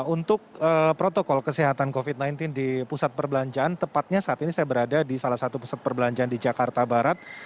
untuk protokol kesehatan covid sembilan belas di pusat perbelanjaan tepatnya saat ini saya berada di salah satu pusat perbelanjaan di jakarta barat